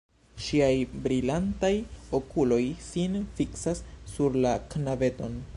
Ŝiaj brilantaj okuloj sin fiksas sur la knabeton.